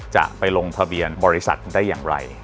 จะไปลงทะเบียนบริษัทได้อย่างไร